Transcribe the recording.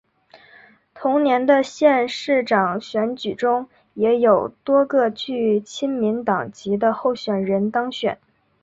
同年的县市长选举中也有多个具亲民党籍的候选人当选。